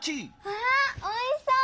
わあおいしそう！